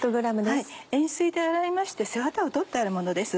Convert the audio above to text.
塩水で洗いまして背ワタを取ってあるものです。